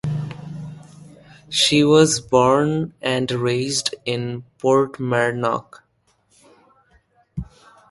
She was born and raised in Portmarnock.